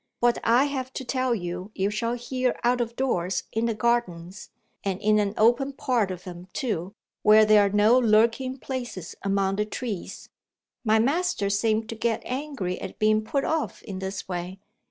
What I have to tell you, you shall hear out of doors in the Gardens and in an open part of them, too, where there are no lurking places among the trees.' My master seemed to get angry at being put off in this way.